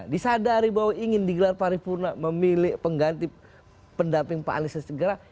disadari bahwa ingin digelar pari purna memilih pengganti pendamping pak ali sesegera